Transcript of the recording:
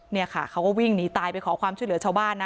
เนี่ยค่ะเขาก็วิ่งหนีตายไปขอความช่วยเหลือชาวบ้านนะ